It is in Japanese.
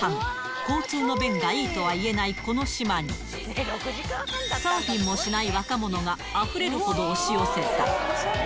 交通の便がいいとはいえないこの島に、サーフィンもしない若者があふれるほど押し寄せた。